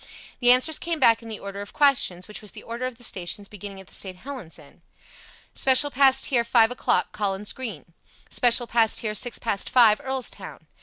The answers came back in the order of questions, which was the order of the stations beginning at the St. Helens end "Special passed here five o'clock. Collins Green." "Special passed here six past five. Earlstown."